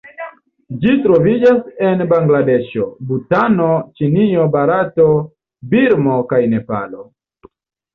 Ĝi troviĝas en Bangladeŝo, Butano, Ĉinio, Barato, Birmo kaj Nepalo.